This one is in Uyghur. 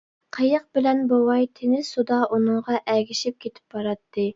قېيىق بىلەن بوۋاي تىنچ سۇدا ئۇنىڭغا ئەگىشىپ كېتىپ باراتتى.